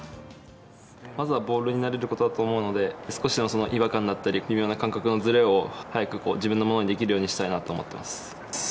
まずはボールに慣れることだと思うので、少しでも、違和感だったり、微妙な感覚のずれを早く自分のものにできるようにしたいなと思っています。